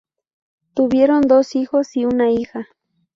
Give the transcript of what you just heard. Tuvieron dos hijos y una hija.